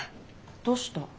どうした？